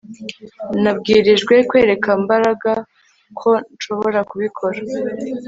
Nabwirijwe kwereka Mbaraga ko nshobora kubikora